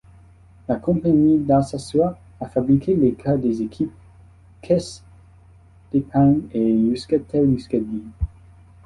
La compagnie d'Alsasua a fabriqué les cars des équipes Caisse d'Epargne et Euskaltel-Euskadi.